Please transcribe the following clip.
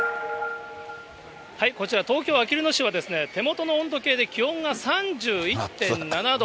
こちら、東京・あきる野市は手元の温度計で気温が３１．７度。